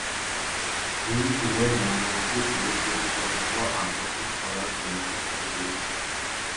এই ফুলের মৌমাছি ও কীটপতঙ্গ আকর্ষণ করার ক্ষমতা প্রচুর।